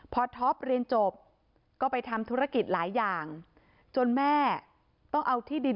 เอาไปจำนำพาเพื่อนผู้หญิงไปเที่ยวญี่ปุ่น